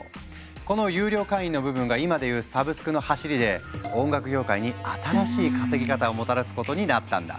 この有料会員の部分が今で言うサブスクのはしりで音楽業界に新しい稼ぎ方をもたらすことになったんだ。